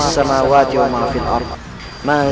aku berhak untuk menjelaskan semuanya